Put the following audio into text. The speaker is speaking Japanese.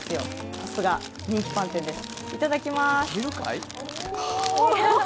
さすが人気パン店です。